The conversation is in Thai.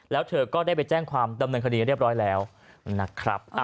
แล้วเธอก็ได้ไปแจ้งความดำเนินคดีเรียบร้อยแล้วนะครับ